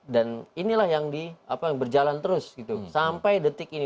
dan inilah yang berjalan terus sampai detik ini